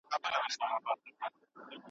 موږ د يووالي او اتفاق په ارزښت پوهېږو.